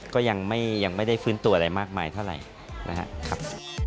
ก็ยังไม่ได้ฟื้นตัวอะไรมากมายเท่าไหร่นะครับ